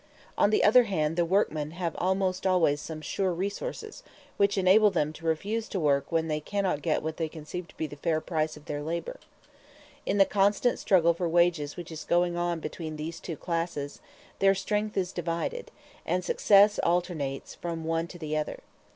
On the other hand the workmen have almost always some sure resources, which enable them to refuse to work when they cannot get what they conceive to be the fair price of their labor. In the constant struggle for wages which is going on between these two classes, their strength is divided, and success alternates from one to the other.